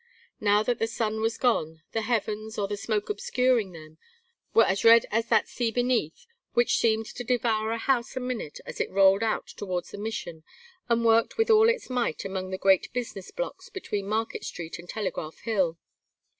Now that the sun was gone, the heavens, or the smoke obscuring them, were as red as that sea beneath which seemed to devour a house a minute as it rolled out towards the Mission and worked with all its might among the great business blocks between Market Street and Telegraph Hill.